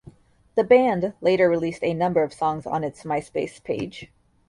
The band later released a number of songs on its MySpace page.